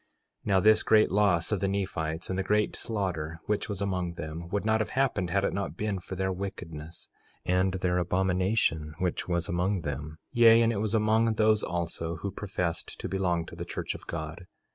4:11 Now this great loss of the Nephites, and the great slaughter which was among them, would not have happened had it not been for their wickedness and their abomination which was among them; yea, and it was among those also who professed to belong to the church of God.